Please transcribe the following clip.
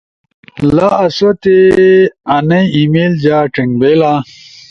و لا آسوتے انئی ای میل جا ڇوئنگ بئیلا۔